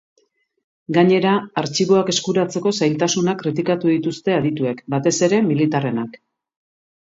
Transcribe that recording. Gainera, artxiboak eskuratzeko zailtasunak kritikatu dituzte adituek, batez ere militarrenak.